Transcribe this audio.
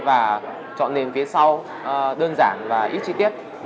và chọn nền phía sau đơn giản và ít chi tiết